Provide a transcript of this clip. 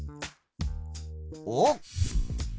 おっ！